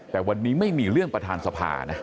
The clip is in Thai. แต่วันนี้ไม่มีเรื่องประธานสภานะ